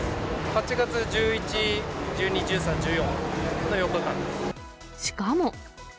８月１１、１２、１３、しかも。